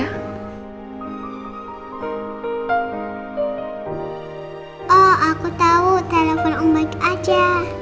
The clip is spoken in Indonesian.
oh aku tahu telepon umat aja